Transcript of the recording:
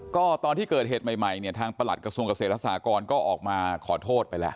ก็ตอนที่เกิดเหตุใหม่เนี่ยทางประหลัดกระทรวงเกษตรและสากรก็ออกมาขอโทษไปแล้ว